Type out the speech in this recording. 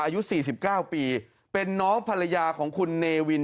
อายุ๔๙ปีเป็นน้องภรรยาของคุณเนวิน